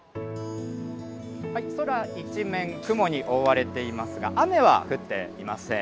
空一面、雲に覆われていますが、雨は降っていません。